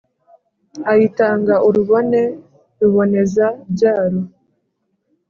ayitanga urubone ruboneza-byaro,